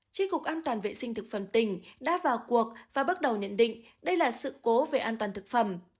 tri cục an toàn vệ sinh thực phẩm tỉnh đã vào cuộc và bắt đầu nhận định đây là sự cố về an toàn thực phẩm